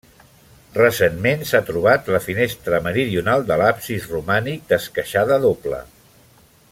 Recentment s'ha trobat la finestra meridional de l'absis romànic, d'esqueixada doble.